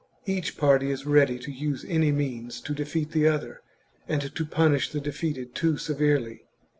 Each party is ready to use any means to defeat the other, and to punish the defeated too severely.